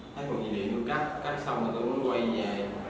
thấy quần dây điện tôi cắt cắt xong rồi tôi mới quay về